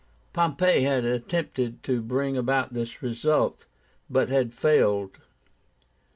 Pompey had attempted to bring about this result, but had failed.